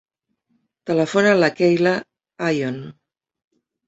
Telefona a la Keyla Ion.